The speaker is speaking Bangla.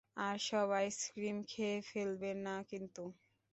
আর সব আইসক্রিম খেয়ে ফেলবে না কিন্তু।